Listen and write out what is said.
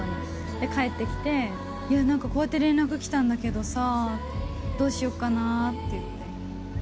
で、帰ってきて、いやなんか、こうやって連絡来たんだけどさ、どうしようかなって言って。